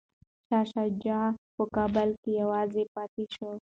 شاه شجاع په کابل کي یوازې پاتې شو.